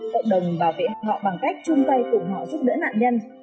cộng đồng bảo vệ họ bằng cách chung tay cùng họ giúp đỡ nạn nhân